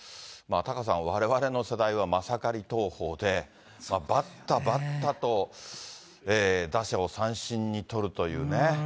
タカさん、われわれの世代はマサカリ投法で、ばったばったと、打者を三振に取るというね。